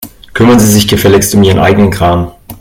Kümmern Sie sich gefälligst um Ihren eigenen Kram.